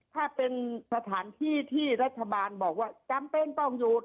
ถ้าเป็นสถานที่ที่รัฐบาลบอกว่าจำเป็นต้องหยุด